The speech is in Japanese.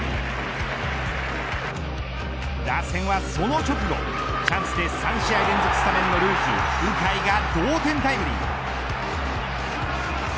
打線はその直後チャンスで３試合連続スタメンのルーキー鵜飼が同点タイムリー。